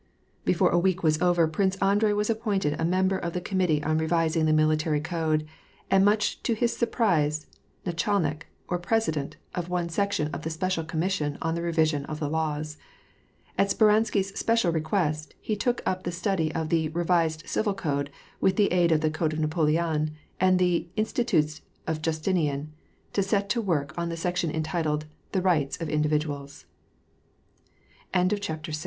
■ Before a week was over, Prince Andrei was appointed a member of the Committee on Revising the Military Code, aud, much to his surprise, ndchalnlkj or president, of one section of the Special Commission on the Revision of the Laws. At Speransky's special request, he took up the study of the Re vised Civil Code," and with the aid of the " Code Napolten,'^ and the '^ Institutes of Justinian," set to work on the sect